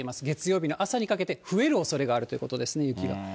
月曜日の朝にかけて増えるおそれがあるということですね、雪が。